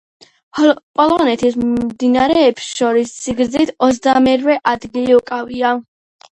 პოლონეთის მდინარეებს შორის სიგრძით ოცდამერვე ადგილი უკავია.